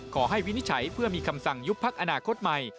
วินิจฉัยเพื่อมีคำสั่งยุบพักอนาคตใหม่